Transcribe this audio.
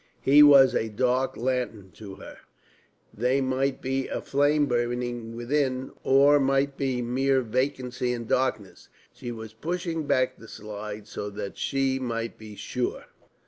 He was a dark lantern to her. There might be a flame burning within, or there might be mere vacancy and darkness. She was pushing back the slide so that she might be sure.